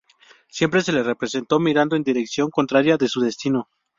Siempre se le representó mirando en dirección contraria de su destino.